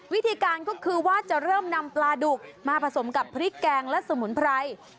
วิธีการก็คือว่าจะเริ่มนำปลาดุกมาผสมกับพริกแกงและสมุนไพร